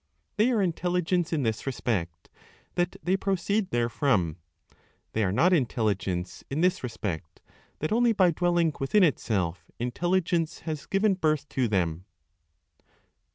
They are Intelligence in this respect, that they proceed therefrom. They are not Intelligence in this respect that only by dwelling within itself Intelligence has given birth to them.